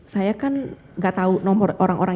saya kan nggak tahu nomor orang orang